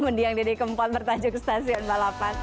mendiang dede kempot bertajuk stasiun balapan